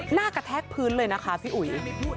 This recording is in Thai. กระแทกพื้นเลยนะคะพี่อุ๋ย